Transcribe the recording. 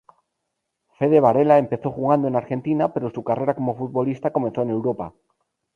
Fede Varela empezó jugando en Argentina pero su carrera como futbolista comenzó en Europa.